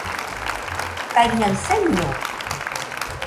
kaiñaɨ saiño